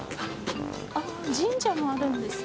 あぁ神社もあるんですね。